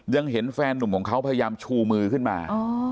ยังเห็นแฟนหนุ่มของเขาพยายามชูมือขึ้นมา